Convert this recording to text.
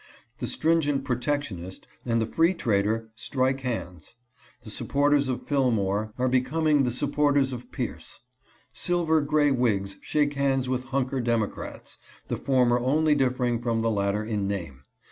The stringent protectionist and the free trader strike hands. The support ers of Fillmore are becoming the supporters of Pierce. Silver Gray "Whigs shake hands with Hunker Democrats, the former only differing from the latter in name.